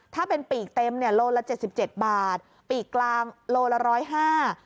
ถ้าเป็นปีกเต็มโลละ๗๗บาทปีกกลางโลละ๑๐๕บาท